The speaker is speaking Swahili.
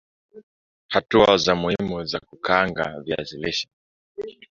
Hatua za muhumu za kukaanga viazi lishe